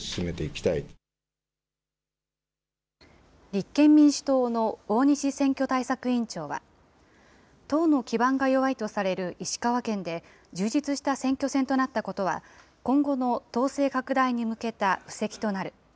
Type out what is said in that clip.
立憲民主党の大西選挙対策委員長は、党の基盤が弱いとされる石川県で、充実した選挙戦となったことは、今後の党勢拡大に向けた布石となる。